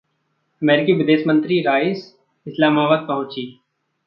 अमेरिकी विदेश मंत्री राइस इस्लामाबाद पहुंची